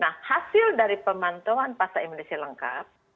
nah hasil dari pemantauan pasar imunisasi lengkap